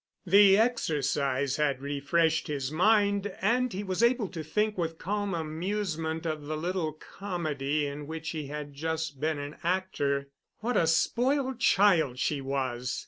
The exercise had refreshed his mind, and he was able to think with calm amusement of the little comedy in which he had just been an actor. What a spoiled child she was!